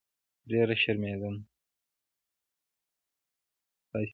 په آسیا او افریقا نابرابري زیاته ده.